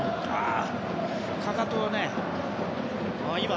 かかとだね。